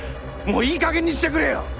もういい加減にしてくれよ！